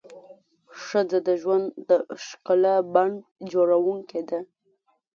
ښځه د ژوند د ښکلا بڼ جوړونکې ده.